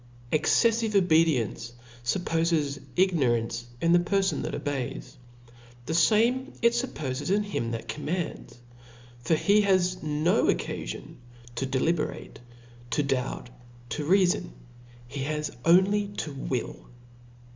Exceffive obedience fuppofes ignorance in the perfon that obeys : the fame it fuppoies in him that commands; for he has nooccafionto deliberate, to doubt, to reafon ; he has only to will.